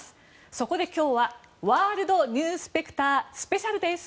そこで今日はワールドニュースペクタースペシャルです。